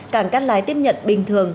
cảng cát lái tiếp nhận bình thường